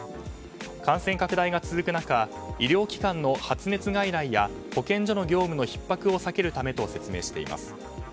感染拡大が続く中医療機関の発熱外来や保健所の業務のひっ迫を避けるためと説明しています。